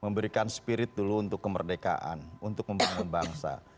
memberikan spirit dulu untuk kemerdekaan untuk membangun bangsa